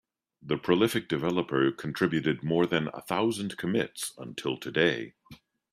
The prolific developer contributed more than a thousand commits until today.